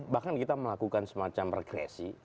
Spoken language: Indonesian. bahkan kita melakukan semacam rekresi